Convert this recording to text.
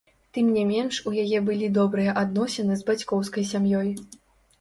Тым не менш у яе былі добрыя адносіны з бацькоўскай сям'ёй.